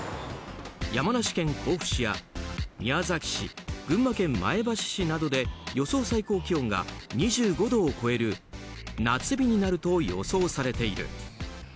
山梨県甲府市や宮崎市群馬県前橋市などで予想最高気温が２５度を超える夏日になると予想されている。